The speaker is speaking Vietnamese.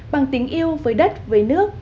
bằng tính yêu với đất với nước